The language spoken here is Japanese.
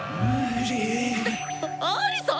アリさっ！